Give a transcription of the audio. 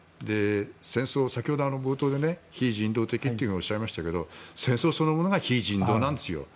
先ほど冒頭で非人道的とおっしゃいましたけど戦争そのものが非人道なんですよ。